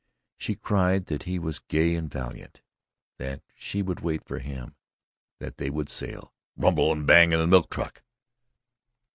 She cried that he was gay and valiant, that she would wait for him, that they would sail Rumble and bang of the milk truck.